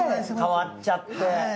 変わっちゃって。